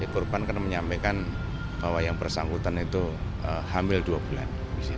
korban kan menyampaikan bahwa yang bersangkutan itu hamil dua bulan